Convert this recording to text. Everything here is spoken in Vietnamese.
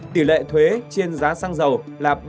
tỷ lệ thuế trên giá sang giàu là ba mươi ba năm